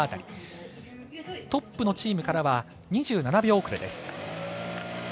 トップのチームからは２７秒遅れです。